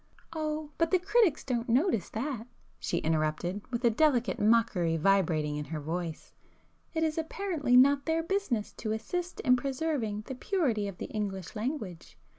"Oh, but the critics don't notice that,"—she interrupted, with a delicate mockery vibrating in her voice—"It is apparently not their business to assist in preserving the purity of the English language.